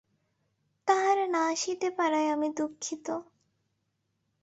তাহারা না আসিতে পারায় আমি দুঃখিত।